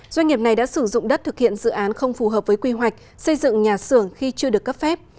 doanh nghiệp này đã sử dụng đất thực hiện dự án không phù hợp với quy hoạch xây dựng nhà xưởng khi chưa được cấp phép